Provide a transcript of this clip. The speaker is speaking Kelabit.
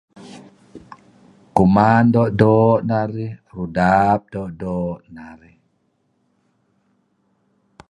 Kuman doo'-doo' narih. Rudap doo'-doo' narih.